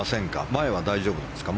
前は大丈夫なんですか？